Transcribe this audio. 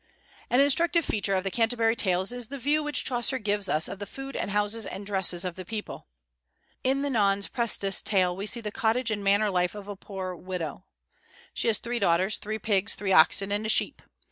An instructive feature of the "Canterbury Tales" is the view which Chaucer gives us of the food and houses and dresses of the people. "In the Nonne's Prestes' Tale we see the cottage and manner of life of a poor widow." She has three daughters, three pigs, three oxen, and a sheep.